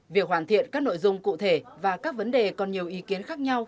việc hoàn thiện các nội dung cụ thể và các vấn đề còn nhiều ý kiến khác nhau